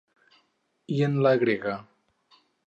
I en la grega?